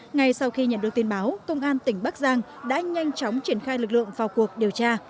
ngay sau khi nhận được tin báo công an tỉnh bắc giang đã nhanh chóng triển khai lực lượng vào cuộc điều tra